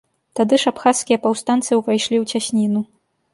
Тады ж абхазскія паўстанцы ўвайшлі ў цясніну.